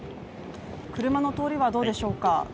車の通りはどうでしょうか？